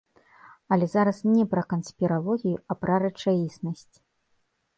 Але зараз не пра канспіралогію, а пра рэчаіснасць.